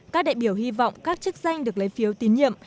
các đại biểu hy vọng các chức danh được lấy phiếu tín nhiệm